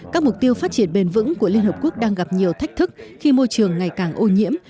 các mục tiêu phát triển bền vững của liên hợp quốc đang gặp nhiều thách thức khi môi trường ngày càng ô nhiễm